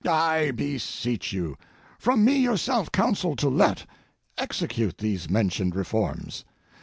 I beseech you, from me yourself counsel to let, execute these mentioned reforms.